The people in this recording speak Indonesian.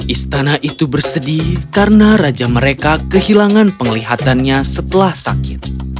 istana itu bersedih karena raja mereka kehilangan penglihatannya setelah sakit